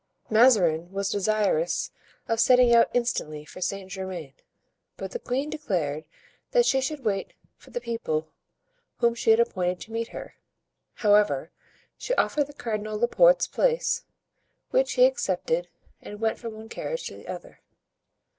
Mazarin was desirous of setting out instantly for Saint Germain, but the queen declared that she should wait for the people whom she had appointed to meet her. However, she offered the cardinal Laporte's place, which he accepted and went from one carriage to the other.